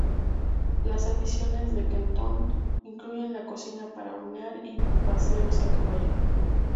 Las aficiones de Kenton incluyen la cocina para hornear, y paseos a caballo.